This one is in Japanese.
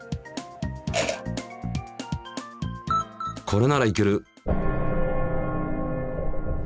これならいける！